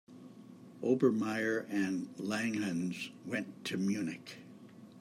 Obermaier and Langhans went to Munich.